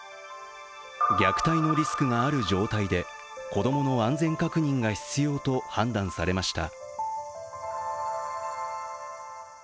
虐待のリスクがある状態で、子供の安全確認が必要と判断されました。